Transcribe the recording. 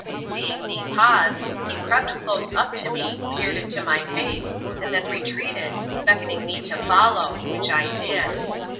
Seeing me pause, he crept close up to me, peered into my face, and then retreated, beckoning me to follow, which I did.